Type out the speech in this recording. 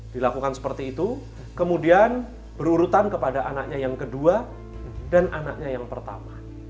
dilakukan seperti itu kemudian berurutan kepada anaknya yang kedua dan anaknya yang pertama